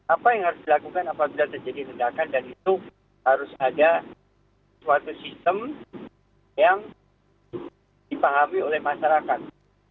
apa yang harus dilakukan apabila terjadi ledakan dan itu harus ada suatu sistem yang dipahami oleh masyarakat